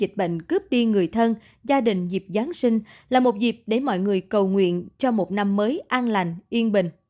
dịch bệnh cướp đi người thân gia đình dịp giáng sinh là một dịp để mọi người cầu nguyện cho một năm mới an lành yên bình